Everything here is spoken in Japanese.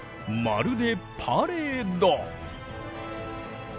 まるでパレード。